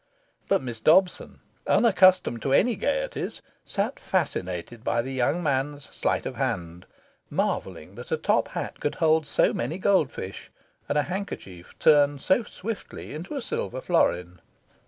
But Miss Dobson, unaccustomed to any gaieties, sat fascinated by the young man's sleight of hand, marvelling that a top hat could hold so many goldfish, and a handkerchief turn so swiftly into a silver florin.